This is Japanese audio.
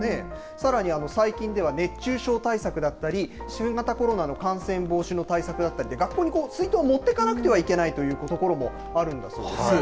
さらに最近では熱中症対策だったり新型コロナの感染防止の対策だったりで学校に水筒を持っていかなくてはいけないところもあるんだそうです。